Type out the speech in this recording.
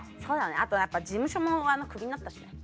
あとやっぱ事務所もクビになったし。